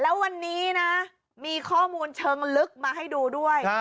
แล้ววันนี้นะมีข้อมูลเชิงลึกมาให้ดูด้วย